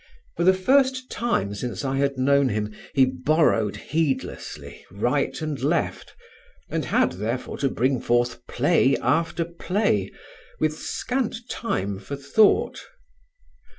For the first time since I had known him he borrowed heedlessly right and left, and had, therefore, to bring forth play after play with scant time for thought.